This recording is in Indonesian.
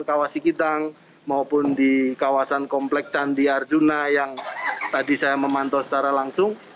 kawas sikidang maupun di kawasan kompleks candi arjuna yang tadi saya memantau secara langsung